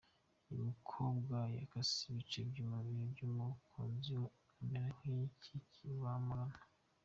Uyu mukobwa yakase ibice by’umubiri by’umukunzi we amera nk’iki kigirwamana.